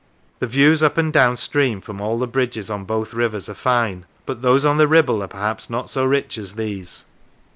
The views up and down stream from all the bridges on both rivers are fine, but those on the Ribble are perhaps not so rich as these.